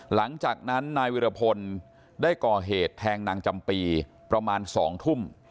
หลังจากนั้นนายวิรพลได้ก่อเหตุแทงนางจำปีประมาณ๒ทุ่ม